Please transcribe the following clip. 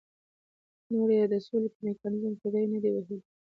نور یې د سولې په میکانیزم کې ری نه دی وهلی.